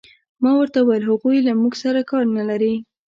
ما ورته وویل: هغوی له موږ سره کار نه لري.